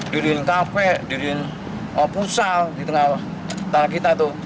diri diriin kp diri diriin pusal di tengah tanah kita tuh